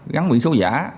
gắn nguyện số giả